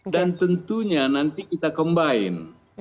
dan tentunya nanti kita combine